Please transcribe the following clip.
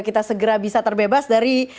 kita segera bisa terbebas dari